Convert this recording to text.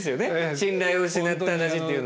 信頼を失った話っていうのは。